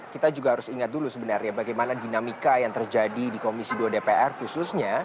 kita juga harus ingat dulu sebenarnya bagaimana dinamika yang terjadi di komisi dua dpr khususnya